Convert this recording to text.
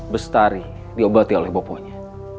pestari diobati oleh boponya